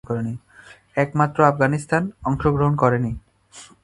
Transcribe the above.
একমাত্র আফগানিস্তান অংশগ্রহণ করেনি।